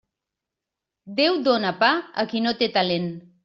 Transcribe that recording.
Déu dóna pa a qui no té talent.